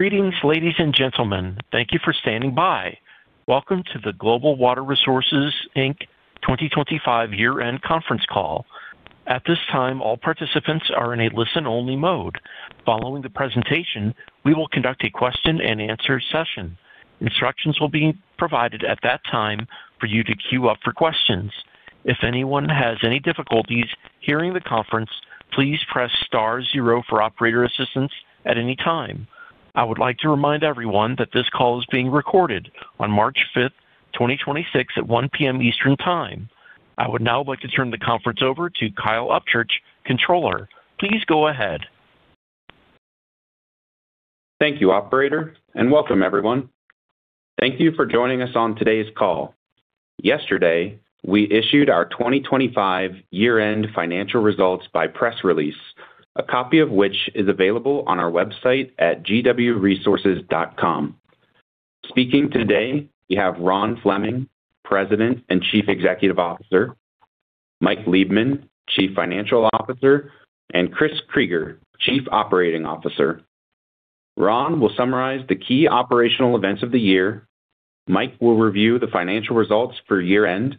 Greetings, ladies and gentlemen. Thank you for standing by. Welcome to the Global Water Resources, Inc 2025 year-end conference call. At this time, all participants are in a listen-only mode. Following the presentation, we will conduct a question-and-answer session. Instructions will be provided at that time for you to queue up for questions. If anyone has any difficulties hearing the conference, please press star zero for operator assistance at any time. I would like to remind everyone that this call is being recorded on March 5th, 2026, at 1:00 P.M. Eastern Time. I would now like to turn the conference over to Kyle Upchurch, Controller. Please go ahead. Thank you, operator, and welcome everyone. Thank you for joining us on today's call. Yesterday, we issued our 2025 year-end financial results by press release, a copy of which is available on our website at gwresources.com. Speaking today we have Ron Fleming, President and Chief Executive Officer, Mike Liebman, Chief Financial Officer, and Chris Krygier, Chief Operating Officer. Ron will summarize the key operational events of the year, Mike will review the financial results for year-end,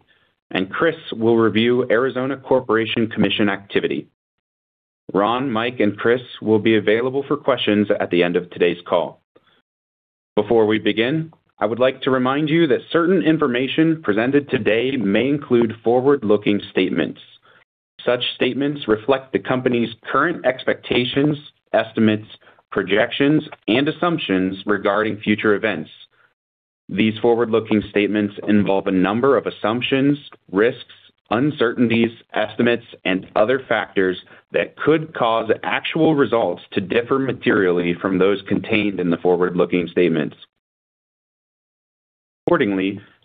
and Chris will review Arizona Corporation Commission activity. Ron, Mike, and Chris will be available for questions at the end of today's call. Before we begin, I would like to remind you that certain information presented today may include forward-looking statements. Such statements reflect the company's current expectations, estimates, projections, and assumptions regarding future events. These forward-looking statements involve a number of assumptions, risks, uncertainties, estimates, and other factors that could cause actual results to differ materially from those contained in the forward-looking statements.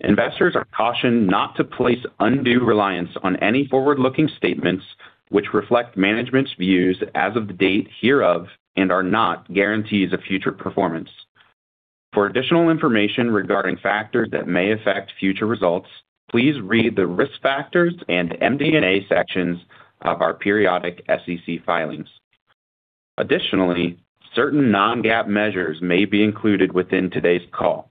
Investors are cautioned not to place undue reliance on any forward-looking statements which reflect management's views as of the date hereof and are not guarantees of future performance. For additional information regarding factors that may affect future results, please read the risk factors and MD&A sections of our periodic SEC filings. Certain non-GAAP measures may be included within today's call.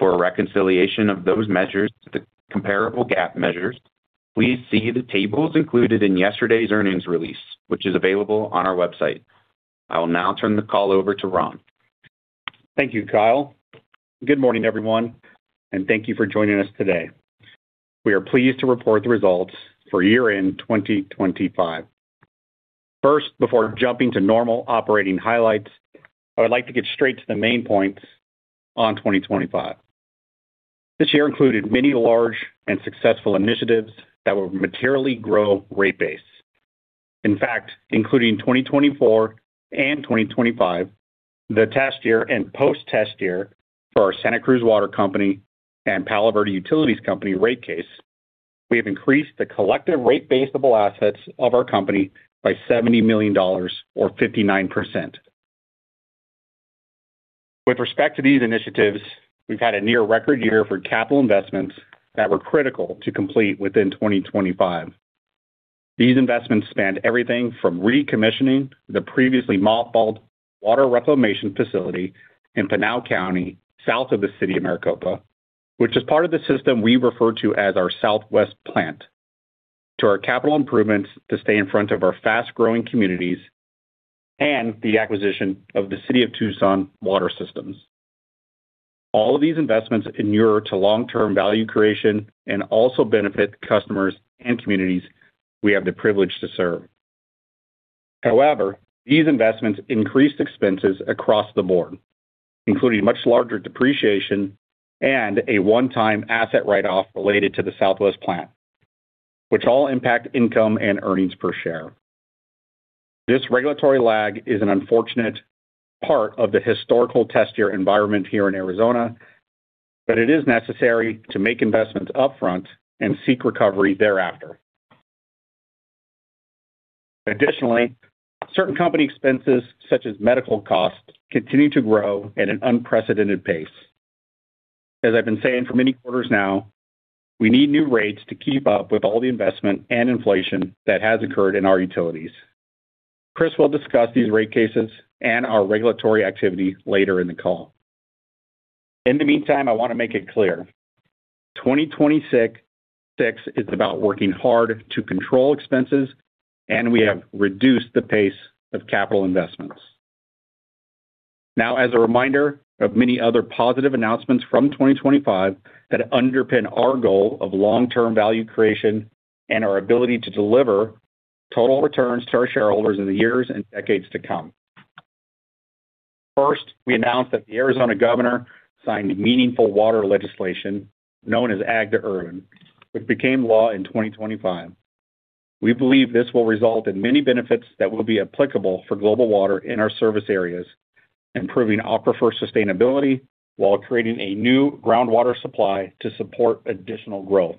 For a reconciliation of those measures to the comparable GAAP measures, please see the tables included in yesterday's earnings release, which is available on our website. I will now turn the call over to Ron. Thank you, Kyle. Good morning, everyone, and thank you for joining us today. We are pleased to report the results for year-end 2025. First, before jumping to normal operating highlights, I would like to get straight to the main points on 2025. This year included many large and successful initiatives that will materially grow rate base. In fact, including 2024 and 2025, the test year and post-test year for our Santa Cruz Water Company and Palo Verde Utilities Company rate case, we have increased the collective rate base of all assets of our company by $70 million or 59%. With respect to these initiatives, we've had a near record year for capital investments that were critical to complete within 2025. These investments spanned everything from recommissioning the previously mothballed water reclamation facility in Pinal County, south of the city of Maricopa, which is part of the system we refer to as our Southwest Plant, to our capital improvements to stay in front of our fast-growing communities and the acquisition of the City of Tucson water systems. All of these investments inure to long-term value creation and also benefit customers and communities we have the privilege to serve. These investments increased expenses across the board, including much larger depreciation and a one-time asset write-off related to the Southwest Plant, which all impact income and earnings per share. This regulatory lag is an unfortunate part of the historical test year environment here in Arizona. It is necessary to make investments upfront and seek recovery thereafter. Certain company expenses, such as medical costs, continue to grow at an unprecedented pace. As I've been saying for many quarters now, we need new rates to keep up with all the investment and inflation that has occurred in our utilities. Chris will discuss these rate cases and our regulatory activity later in the call. In the meantime, I want to make it clear, 2026 is about working hard to control expenses. We have reduced the pace of capital investments. As a reminder of many other positive announcements from 2025 that underpin our goal of long-term value creation and our ability to deliver total returns to our shareholders in the years and decades to come. First, we announced that the Arizona Governor signed meaningful water legislation known as Ag-to-Urban, which became law in 2025. We believe this will result in many benefits that will be applicable for Global Water in our service areas, improving aquifer sustainability while creating a new groundwater supply to support additional growth.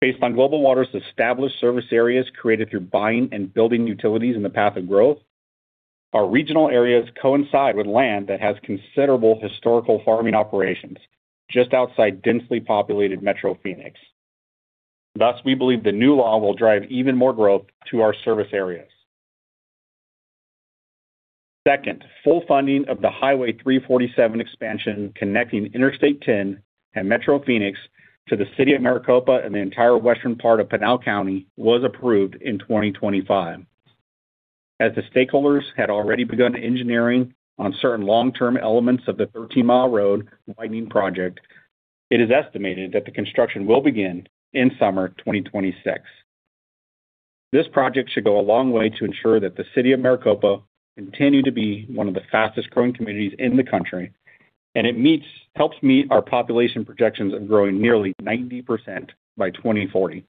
Based on Global Water's established service areas created through buying and building utilities in the path of growth, our regional areas coincide with land that has considerable historical farming operations just outside densely populated Metro Phoenix. Thus, we believe the new law will drive even more growth to our service areas. Second, full funding of the Highway 347 expansion connecting Interstate 10 and Metro Phoenix to the City of Maricopa and the entire western part of Pinal County was approved in 2025. As the stakeholders had already begun engineering on certain long-term elements of the 13 mi road widening project, it is estimated that the construction will begin in summer 2026. This project should go a long way to ensure that the City of Maricopa continue to be one of the fastest-growing communities in the country, helps meet our population projections of growing nearly 90% by 2040.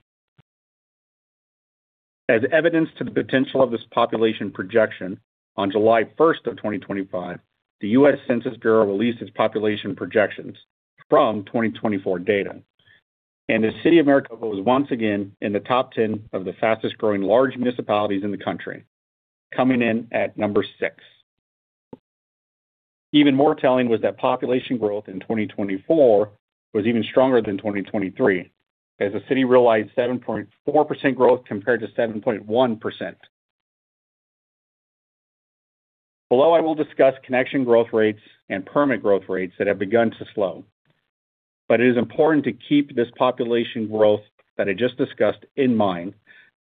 As evidence to the potential of this population projection, on July 1st of 2025, the U.S. Census Bureau released its population projections from 2024 data. The City of Maricopa was once again in the top 10 of the fastest-growing large municipalities in the country, coming in at number six. Even more telling was that population growth in 2024 was even stronger than 2023, as the city realized 7.4% growth compared to 7.1%. Below, I will discuss connection growth rates and permit growth rates that have begun to slow. It is important to keep this population growth that I just discussed in mind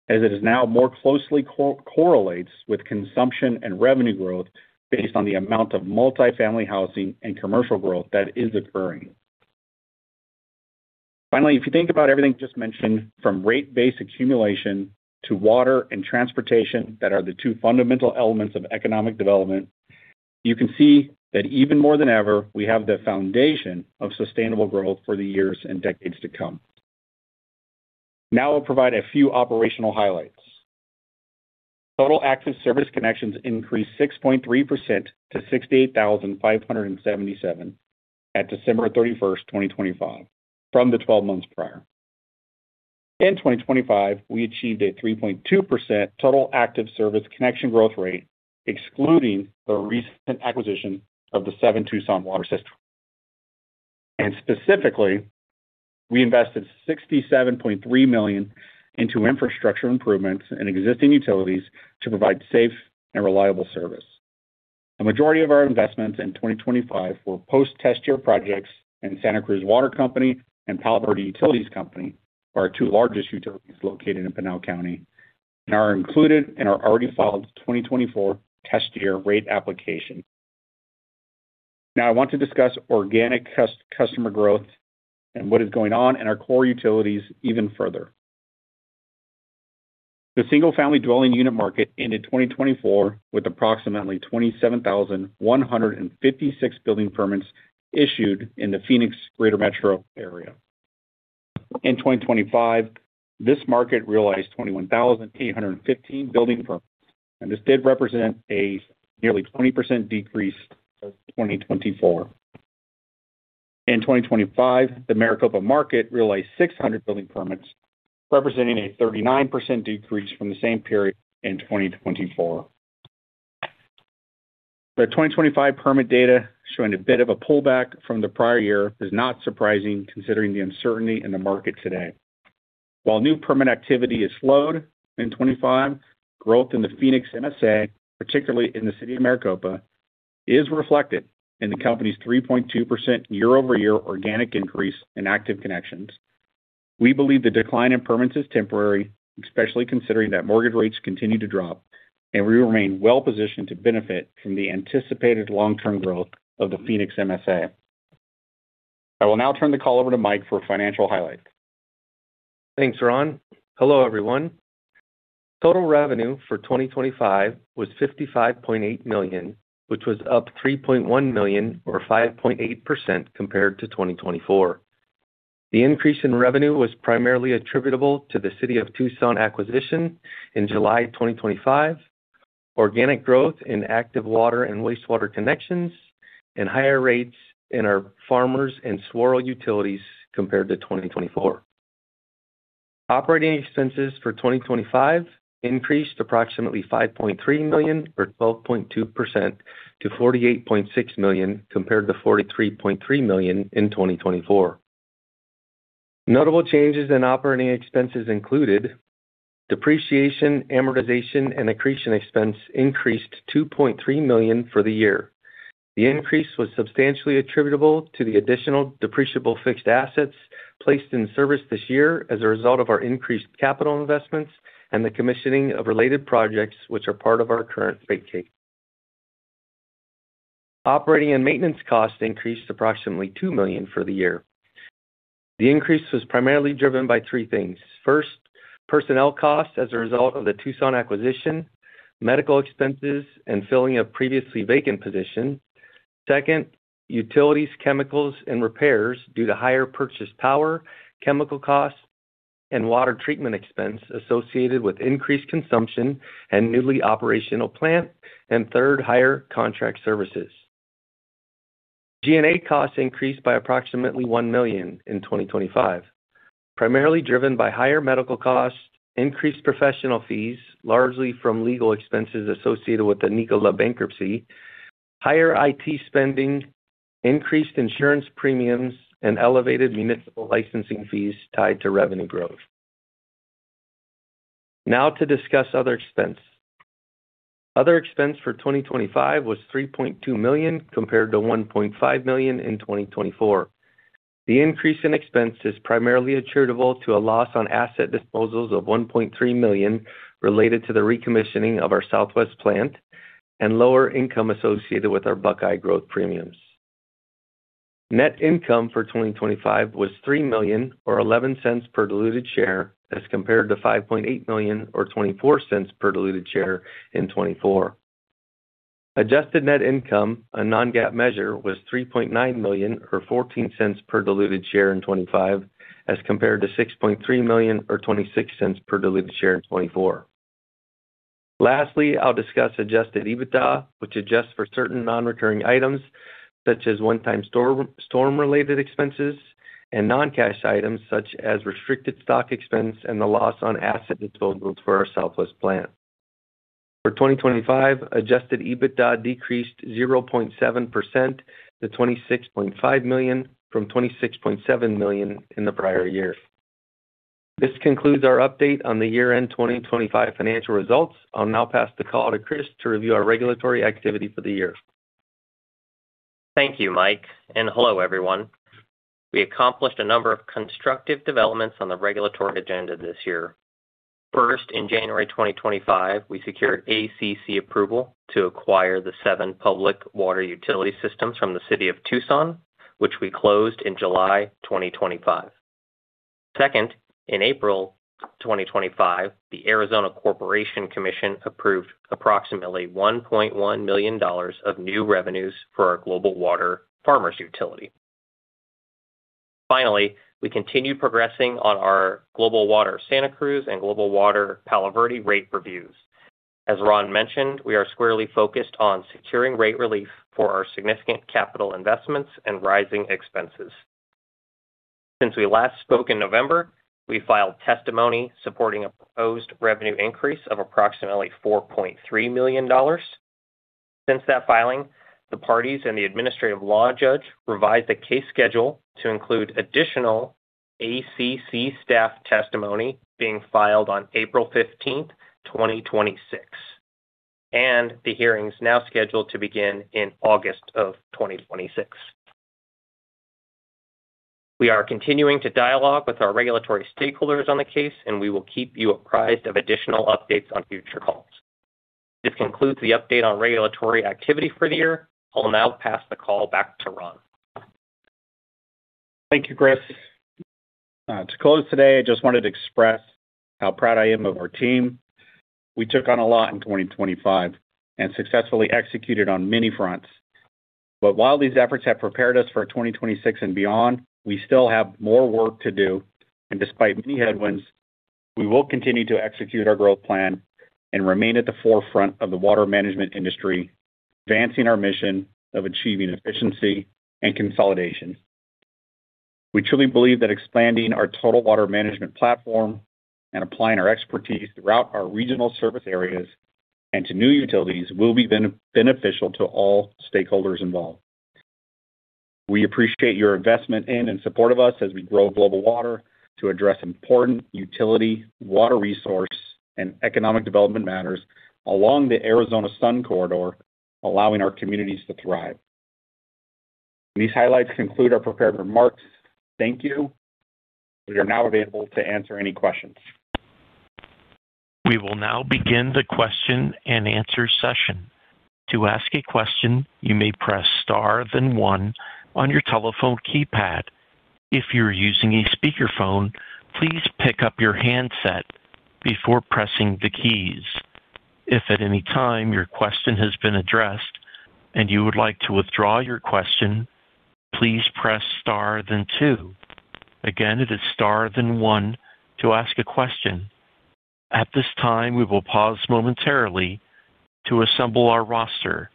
as it is now more closely correlates with consumption and revenue growth based on the amount of multi-family housing and commercial growth that is occurring. If you think about everything just mentioned, from rate base accumulation to water and transportation that are the two fundamental elements of economic development, you can see that even more than ever, we have the foundation of sustainable growth for the years and decades to come. I'll provide a few operational highlights. Total active service connections increased 6.3% to 68,577 at December 31st, 2025 from the 12 months prior. In 2025, we achieved a 3.2% total active service connection growth rate, excluding the recent acquisition of the seven Tucson water system. Specifically, we invested $67.3 million into infrastructure improvements in existing utilities to provide safe and reliable service. The majority of our investments in 2025 were post-test year projects in Santa Cruz Water Company and Palo Verde Utilities Company, our two largest utilities located in Pinal County, and are included in our already filed 2024 test year rate application. I want to discuss organic customer growth and what is going on in our core utilities even further. The single-family dwelling unit market ended 2024 with approximately 27,156 building permits issued in the Phoenix Greater Metro Area. In 2025, this market realized 21,815 building permits, and this did represent a nearly 20% decrease of 2024. In 2025, the Maricopa market realized 600 building permits, representing a 39% decrease from the same period in 2024. The 2025 permit data showing a bit of a pullback from the prior year is not surprising considering the uncertainty in the market today. While new permit activity has slowed in 2025, growth in the Phoenix MSA, particularly in the city of Maricopa, is reflected in the company's 3.2% year-over-year organic increase in active connections. We believe the decline in permits is temporary, especially considering that mortgage rates continue to drop, and we remain well-positioned to benefit from the anticipated long-term growth of the Phoenix MSA. I will now turn the call over to Mike for financial highlights. Thanks, Ron. Hello, everyone. Total revenue for 2025 was $55.8 million, which was up $3.1 million or 5.8% compared to 2024. The increase in revenue was primarily attributable to the City of Tucson acquisition in July 2025, organic growth in active water and wastewater connections, and higher rates in our Farmers and SWR utilities compared to 2024. Operating expenses for 2025 increased approximately $5.3 million or 12.2% to $48.6 million compared to $43.3 million in 2024. Notable changes in operating expenses included depreciation, amortization, and accretion expense increased $2.3 million for the year. The increase was substantially attributable to the additional depreciable fixed assets placed in service this year as a result of our increased capital investments and the commissioning of related projects which are part of our current rate case. Operating and maintenance costs increased approximately $2 million for the year. The increase was primarily driven by three things. First, personnel costs as a result of the Tucson acquisition, medical expenses, and filling a previously vacant position. Second, utilities, chemicals, and repairs due to higher purchase power, chemical costs, and water treatment expense associated with increased consumption and newly operational plant. Third, higher contract services. G&A costs increased by approximately $1 million in 2025, primarily driven by higher medical costs, increased professional fees, largely from legal expenses associated with the Nikola bankruptcy, higher IT spending, increased insurance premiums, and elevated municipal licensing fees tied to revenue growth. To discuss other expense. Other expense for 2025 was $3.2 million, compared to $1.5 million in 2024. The increase in expense is primarily attributable to a loss on asset disposals of $1.3 million related to the recommissioning of our Southwest Plant and lower income associated with our Buckeye growth premiums. Net income for 2025 was $3 million or $0.11 per diluted share as compared to $5.8 million or $0.24 per diluted share in 2024. Adjusted net income, a non-GAAP measure, was $3.9 million or $0.14 per diluted share in 2025, as compared to $6.3 million or $0.26 per diluted share in 2024. Lastly, I'll discuss adjusted EBITDA, which adjusts for certain non-recurring items such as one-time storm-related expenses and non-cash items such as restricted stock expense and the loss on asset disposals for our Southwest Plant. For 2025, adjusted EBITDA decreased 0.7% to $26.5 million from $26.7 million in the prior year. This concludes our update on the year-end 2025 financial results. I'll now pass the call to Chris to review our regulatory activity for the year. Thank you, Mike. Hello, everyone. We accomplished a number of constructive developments on the regulatory agenda this year. First, in January 2025, we secured ACC approval to acquire the seven public water utility systems from the City of Tucson, which we closed in July 2025. Second, in April 2025, the Arizona Corporation Commission approved approximately $1.1 million of new revenues for our Global Water Farmers utility. Finally, we continue progressing on our Global Water Santa Cruz and Global Water Palo Verde rate reviews. As Ron mentioned, we are squarely focused on securing rate relief for our significant capital investments and rising expenses. Since we last spoke in November, we filed testimony supporting a proposed revenue increase of approximately $4.3 million. Since that filing, the parties and the administrative law judge revised the case schedule to include additional ACC staff testimony being filed on April 15, 2026, and the hearing's now scheduled to begin in August of 2026. We are continuing to dialogue with our regulatory stakeholders on the case, and we will keep you apprised of additional updates on future calls. This concludes the update on regulatory activity for the year. I will now pass the call back to Ron. Thank you, Chris. To close today, I just wanted to express how proud I am of our team. We took on a lot in 2025 and successfully executed on many fronts. While these efforts have prepared us for 2026 and beyond, we still have more work to do, and despite many headwinds, we will continue to execute our growth plan and remain at the forefront of the water management industry, advancing our mission of achieving efficiency and consolidation. We truly believe that expanding our Total Water Management platform and applying our expertise throughout our regional service areas and to new utilities will be beneficial to all stakeholders involved. We appreciate your investment in and support of us as we grow Global Water to address important utility, water resource, and economic development matters along the Arizona Sun Corridor, allowing our communities to thrive. These highlights conclude our prepared remarks. Thank you. We are now available to answer any questions. We will now begin the question and answer session. To ask a question, you may press star then one on your telephone keypad. If you're using a speakerphone, please pick up your handset before pressing the keys. If at any time your question has been addressed and you would like to withdraw your question, please press star then two. Again, it is star then one to ask a question. At this time, we will pause momentarily to assemble our roster.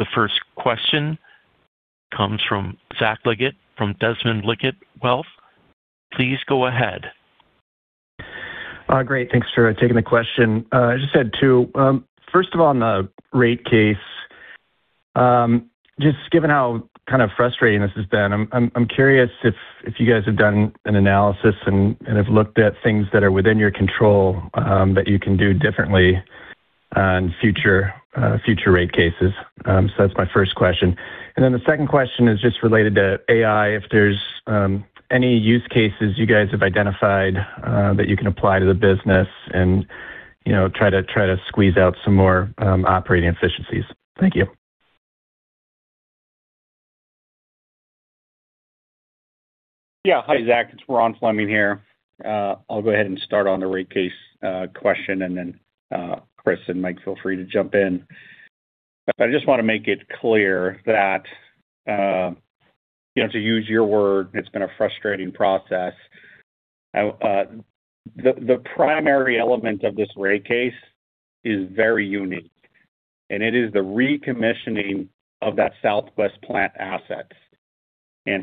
The first question comes from Zach Liggett from Desmond Liggett Wealth. Please go ahead. Great, thanks for taking the question. I just had two. First of all, on the rate case, just given how kind of frustrating this has been, I'm curious if you guys have done an analysis and have looked at things that are within your control, that you can do differently on future rate cases. That's my first question. Then the second question is just related to AI. If there's any use cases you guys have identified, that you can apply to the business and, you know, try to squeeze out some more operating efficiencies. Thank you. Yeah. Hi, Zach. It's Ron Fleming here. I'll go ahead and start on the rate case question. Then Chris and Mike, feel free to jump in. I just want to make it clear that, you know, to use your word, it's been a frustrating process. The primary element of this rate case is very unique, and it is the recommissioning of that Southwest Plant asset.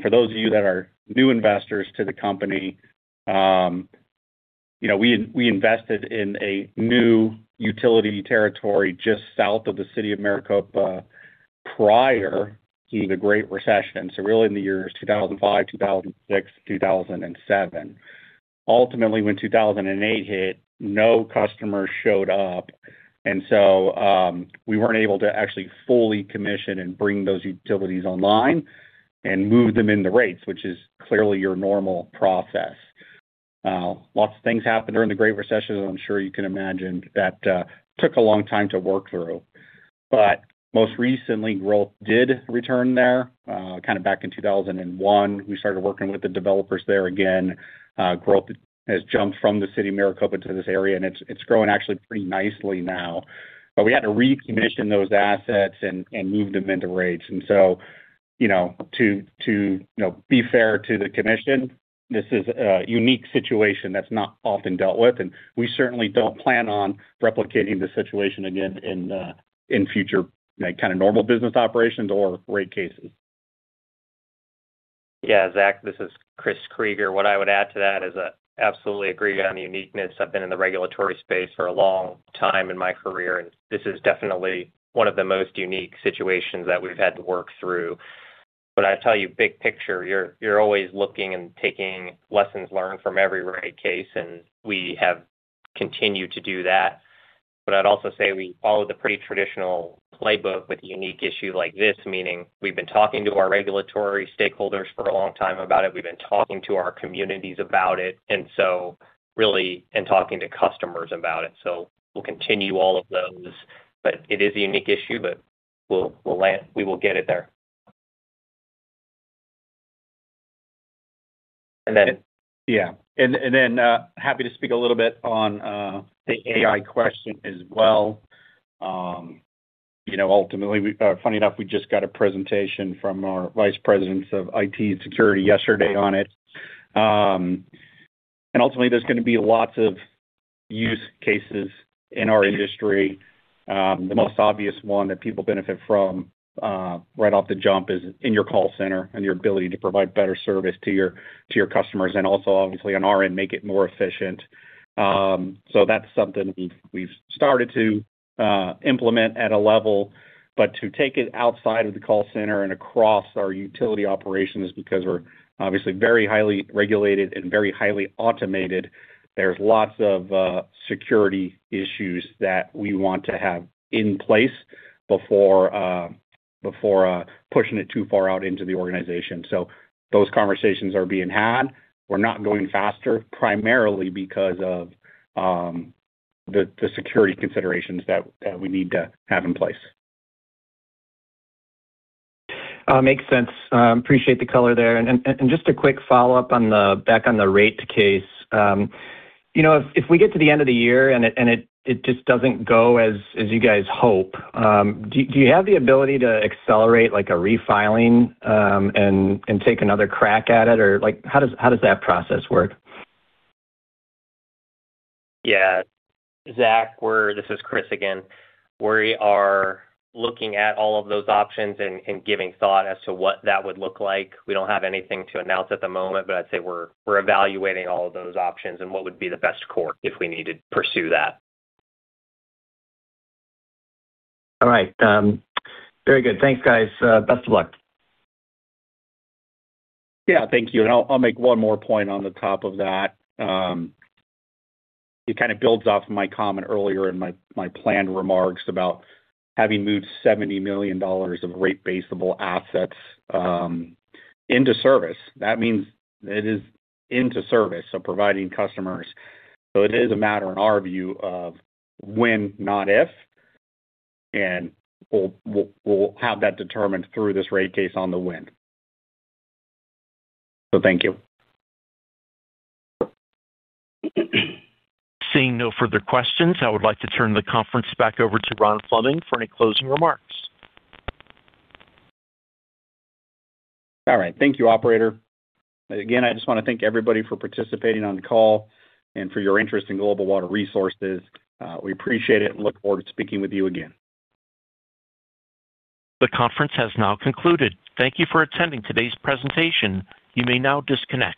For those of you that are new investors to the company, you know, we invested in a new utility territory just south of the City of Maricopa prior to the Great Recession. Really in the years 2005, 2006, 2007. Ultimately, when 2008 hit, no customers showed up. We weren't able to actually fully commission and bring those utilities online and move them into rates, which is clearly your normal process. Lots of things happened during the Great Recession, I'm sure you can imagine, that took a long time to work through. Most recently, growth did return there, kind of back in 2001, we started working with the developers there again. Growth has jumped from the City of Maricopa to this area, and it's growing actually pretty nicely now. We had to recommission those assets and move them into rates. You know, to, you know, be fair to the commission, this is a unique situation that's not often dealt with, and we certainly don't plan on replicating the situation again in future, like, kind of normal business operations or rate cases. Yeah. Zach, this is Chris Krygier. What I would add to that is I absolutely agree on the uniqueness. I've been in the regulatory space for a long time in my career. This is definitely one of the most unique situations that we've had to work through. I tell you, big picture, you're always looking and taking lessons learned from every rate case. We have continued to do that. I'd also say we followed a pretty traditional playbook with a unique issue like this. Meaning we've been talking to our regulatory stakeholders for a long time about it. We've been talking to our communities about it. Really talking to customers about it. We'll continue all of those. It is a unique issue. We'll land. We will get it there. Yeah. Happy to speak a little bit on the AI question as well. You know, ultimately, funny enough, we just got a presentation from our vice presidents of IT and security yesterday on it. Ultimately, there's gonna be lots of use cases in our industry. The most obvious one that people benefit from right off the jump is in your call center and your ability to provide better service to your customers, and also obviously on our end, make it more efficient. That's something we've started to implement at a level. To take it outside of the call center and across our utility operations because we're obviously very highly regulated and very highly automated, there's lots of security issues that we want to have in place before pushing it too far out into the organization. Those conversations are being had. We're not going faster, primarily because of the security considerations that we need to have in place. Makes sense. Appreciate the color there. Just a quick follow-up back on the rate case. You know, if we get to the end of the year and it just doesn't go as you guys hope, do you have the ability to accelerate like a refiling, and take another crack at it? Or like how does that process work? Zach, this is Chris again. We are looking at all of those options and giving thought as to what that would look like. We don't have anything to announce at the moment. I'd say we're evaluating all of those options and what would be the best course if we need to pursue that. All right. Very good. Thanks, guys. Best of luck. Yeah. Thank you. I'll make one more point on the top of that. It kinda builds off my comment earlier in my planned remarks about having moved $70 million of rate base-able assets into service. That means it is into service, so providing customers. It is a matter in our view of when, not if, and we'll have that determined through this rate case on the when. Thank you. Seeing no further questions, I would like to turn the conference back over to Ron Fleming for any closing remarks. All right. Thank you, operator. Again, I just wanna thank everybody for participating on the call and for your interest in Global Water Resources. We appreciate it and look forward to speaking with you again. The conference has now concluded. Thank you for attending today's presentation. You may now disconnect.